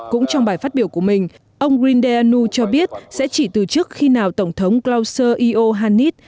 cũng trong bài phát biểu của mình ông rindeanu cho biết sẽ chỉ từ chức khi nào tổng thống klausio iohannis